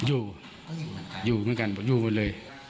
อยู่อยู่เหมือนกันอยู่กันเลย